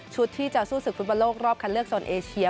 ที่จะสู้ศึกฟุตบอลโลกรอบคันเลือกโซนเอเชีย